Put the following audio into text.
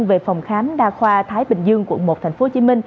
về phòng khám đa khoa thái bình dương quận một tp hcm